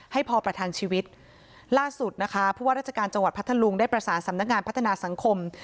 ให้พอประทังชีวิตล่าสุดนะคะผู้ว่าราชการจังหวัดพัทธลุงได้ประสานสำนักงานพัฒนาสังคม